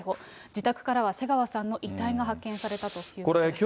自宅からは瀬川さんの遺体が発見されたということです。